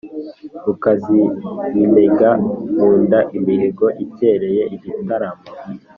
Rukaziminega nkunda imihigo ikereye igitaramo.